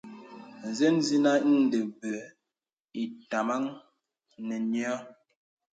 Nzen nzinə inde bə ǐ tamaŋ nè nyə̄.